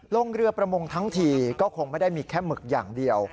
ลงเรือประมงทั้งทีก็คงไม่ได้มีแค่หมึกอย่างเดียว